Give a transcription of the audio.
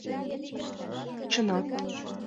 Чынак...